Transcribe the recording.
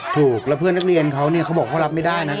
ถูกแล้วเพื่อนโรงเรียนเขาเขาบอกก็รับไม่ได้